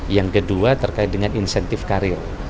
yang kedua terkait dengan insentif karir